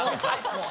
もう。